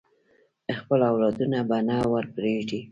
خپل اولادونه به نه ورپریږدي.